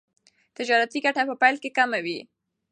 تجارتي ګټه په پیل کې کمه وي.